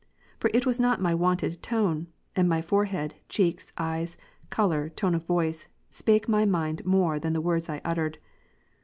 For it was not my wonted tone; and my forehead, cheeks, eyes, colour, tone of voice, spake my mind moi e than the words I uttered.